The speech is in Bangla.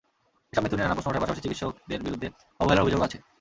এসব মৃত্যু নিয়ে নানা প্রশ্ন ওঠার পাশাপাশি চিকিৎসকদের বিরুদ্ধে অবহেলার অভিযোগও আছে।